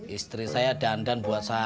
istri saya dandan buat saya